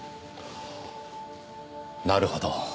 なるほど。